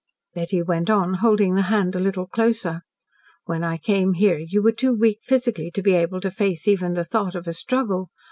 Betty went on, holding the hand a little closer. "When I came here you were too weak physically to be able to face even the thought of a struggle.